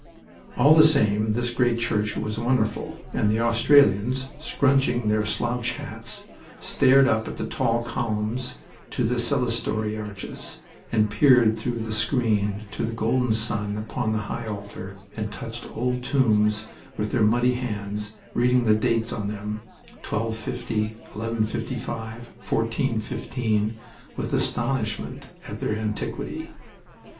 All the same, this great church was wonderful, and the Australians, scrunching their slouch hats, stared up at the tall columns to the clerestory arches, and peered through the screen to the golden sun upon the high altar, and touched old tombs with their muddy hands, reading the dates on them 1250, 1155, 1415 with astonishment at their antiquity.